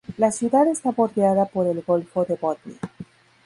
La ciudad está bordeada por el Golfo de Botnia.